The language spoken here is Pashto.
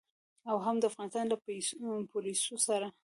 او هم د افغانستان له پوليسو سره.